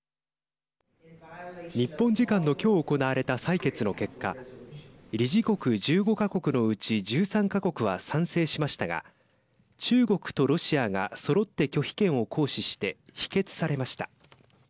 日本時間のきょう行われた採決の結果理事国１５か国のうち１３か国は賛成しましたが中国とロシアがそろって拒否権を行使して否決されました。